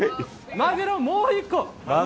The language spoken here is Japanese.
マグロもう１個。